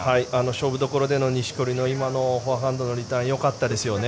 勝負どころでの今の錦織のフォアハンドでのリターンよかったですよね。